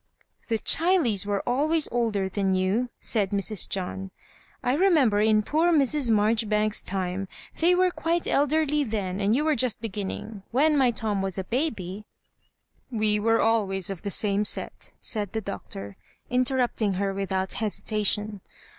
"The Chileys were alwAys older than you," said Mrs. John, " I remember in poor Mrs. Mar joribanks s time :— ^they were quite elderly then, and you were just beginning. When my Tom was a baby " "We were always of the same set," said the Doctor, interrupting her without hesitation.